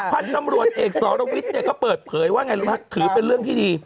พันธุ์ตำรวจเอกสรวิทย์เนี่ยก็เปิดเผยว่าไงรู้ไหมถือเป็นเรื่องที่ดี